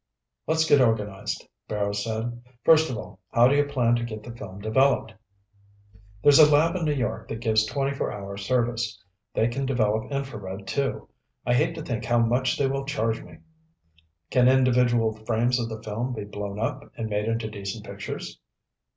"Let's get organized," Barrows said. "First of all, how do you plan to get the film developed?" "There's a lab in New York that gives 24 hour service. They can develop infrared, too. I hate to think how much they will charge me." "Can individual frames of the film be blown up and made into decent pictures?"